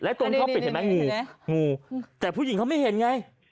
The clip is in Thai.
ตรงท่อปิดเห็นไหมงูงูแต่ผู้หญิงเขาไม่เห็นไง